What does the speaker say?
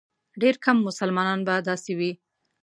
ډېر کم مسلمانان به داسې وي.